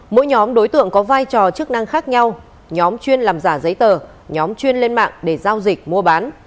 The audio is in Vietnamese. mỗi nhóm đối tượng có vai trò chức năng khác nhau nhóm chuyên làm giả giấy tờ nhóm chuyên lên mạng để giao dịch mua bán